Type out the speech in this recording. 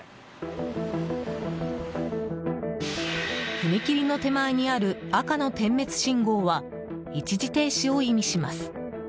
踏切の手前にある赤の点滅信号は一時停止を意味します。